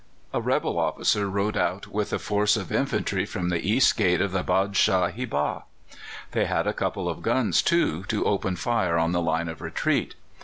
A rebel officer rode out with a force of infantry from the east gate of the Bâdshâh hibâgh. They had a couple of guns, too, to open fire on the line of retreat.